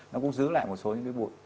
nó cũng giữ lại một số những cái bụi